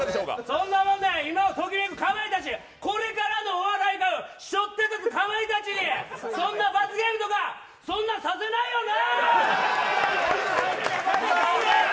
そんなことより今をときめくかまいたちこれからのお笑いを背負っていくかまいたちにそんな罰ゲームとかそんなんさせないよな。